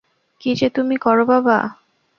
কি যে তুমি করো বাবা!